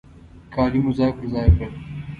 کالي مو ځای پر ځای کړل.